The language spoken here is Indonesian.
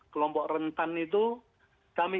kelompok rentan itu kami